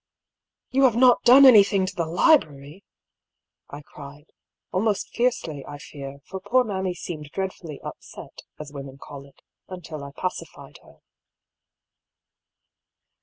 "You have not done anything to the library?" I cried, almost fiercely, I fear ; for poor mammy seemed dreadfully " upset," as women call it, until I pacified her.